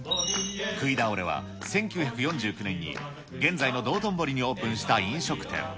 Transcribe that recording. くいだおれは１９４９年に現在の道頓堀にオープンした飲食店。